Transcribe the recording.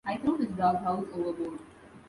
I threw his doghouse overboard.